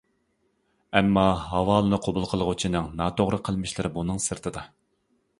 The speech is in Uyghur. ئەمما ھاۋالىنى قوبۇل قىلغۇچىنىڭ ناتوغرا قىلمىشلىرى بۇنىڭ سىرتىدا.